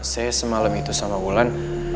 saya semalem itu sama umlan